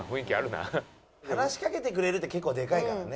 話しかけてくれるって結構でかいからね。